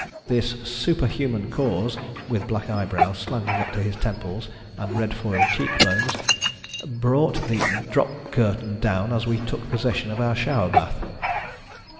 This "superhuman cause" (with black eyebrows slanting up into his temples, and red foil cheekbones,) brought the Drop Curtain down as we took possession of our Shower Bath.